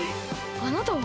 あなたは？